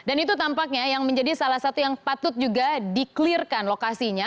dan itu tampaknya yang menjadi salah satu yang patut juga di clear kan lokasinya